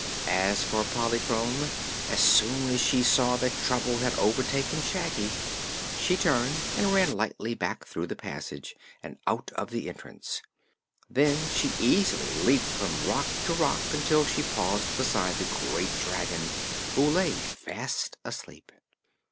As for Polychrome, as soon as she saw that trouble had overtaken Shaggy she turned and ran lightly back through the passage and out of the entrance. Then she easily leaped from rock to rock until she paused beside the great dragon, who lay fast asleep.